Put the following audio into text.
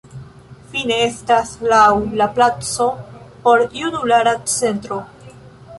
Fine estas laŭ la placo Porjunulara Centro.